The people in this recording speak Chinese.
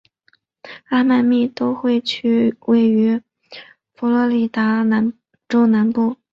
迈阿密都会区位于佛罗里达州南部。